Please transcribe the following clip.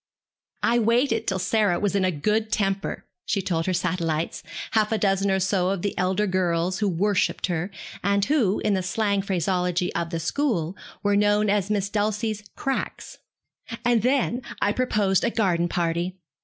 'I waited till Sarah was in a good temper,' she told her satellites, half a dozen or so of the elder girls who worshipped her, and who, in the slang phraseology of the school, were known as Miss Dulcie's 'cracks,' 'and then I proposed a garden party.